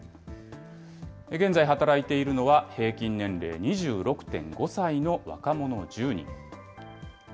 現在働いているのは、平均年齢２６．５歳の若者１０人。